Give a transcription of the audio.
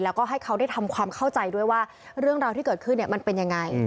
แล้วก็ให้เขาได้ทำความเข้าใจด้วยว่าเรื่องราวที่เกิดขึ้นมันเป็นยังไง